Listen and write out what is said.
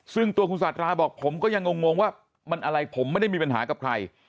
ซึ่งตัวคุณสาธาบอกผมก็ยังงงว่ามันอะไรผมไม่ได้มีปัญหากับใคร